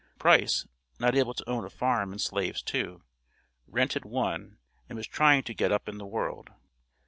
Price, not able to own a farm and slaves too, rented one, and was trying to "get up in the world."